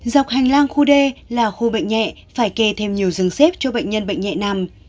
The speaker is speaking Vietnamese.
dọc hành lang khu đê là khu bệnh nhẹ phải kề thêm nhiều rừng xếp cho bệnh nhân bệnh nhẹ nằm